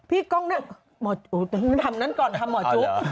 พี่กล้องหน้าหมอจุ๊บทำนั้นก่อนทำหมอจุ๊บ